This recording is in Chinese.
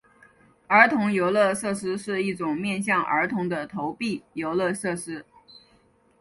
儿童游乐设施是一种面向儿童的投币游乐设施。